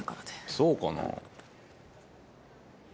そうかなぁ？